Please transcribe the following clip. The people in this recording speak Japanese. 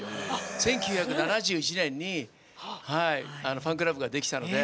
１９７１年にファンクラブができたので。